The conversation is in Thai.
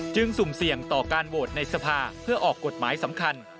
สุ่มเสี่ยงต่อการโหวตในสภาเพื่อออกกฎหมายสำคัญ